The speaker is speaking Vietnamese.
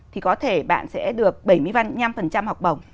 thì có thể bạn sẽ được bảy mươi năm học bổng